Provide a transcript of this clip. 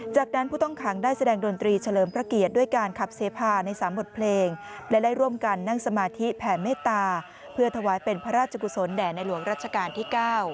จากนั้นผู้ต้องขังได้แสดงดนตรีเฉลิมพระเกียรติด้วยการขับเสพาใน๓บทเพลงและได้ร่วมกันนั่งสมาธิแผ่เมตตาเพื่อถวายเป็นพระราชกุศลแด่ในหลวงรัชกาลที่๙